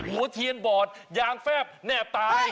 หัวเทียนบอดยางแฟบแนบตาย